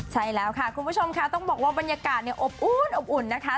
ใช่แล้วค่ะคุณผู้ชมคะต้องบอกว่าบรรยากาศโอบอุ่นนะคะ